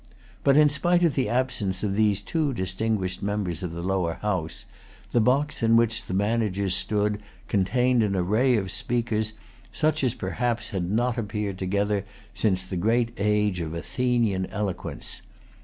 But, in spite of the absence of these two distinguished members of the Lower House, the box in which the managers stood contained an array of speakers such as perhaps had not appeared together since the great age of Athenian eloquence.